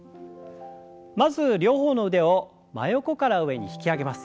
まず両方の腕を真横から上に引き上げます。